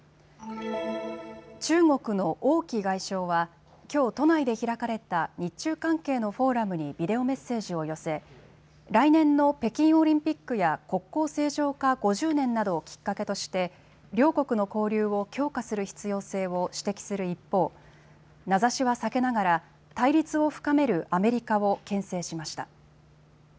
中国の王毅外相はきょう都内で開かれた日中関係のフォーラムにビデオメッセージを寄せ来年の北京オリンピックや国交正常化５０年などをきっかけとして両国の交流を強化する必要性を指摘する一方、名指しは避けながら対立を深めるアメリカをけん制しました。